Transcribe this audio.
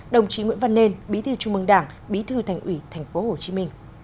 đồng chí nguyễn văn nên bí thư trung mương đảng bí thư thành ủy tp hcm